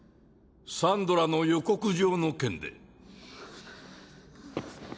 サンドラの予告状の件で。